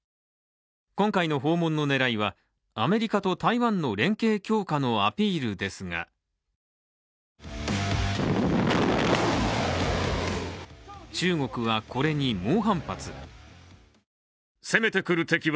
今回の訪問の狙いはアメリカと台湾の連携強化のアピールですが、中国はこれに猛反発。